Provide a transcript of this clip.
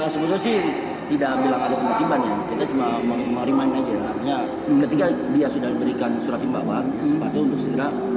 begitu nanti wilayah kita tempat kita itu jadi hapi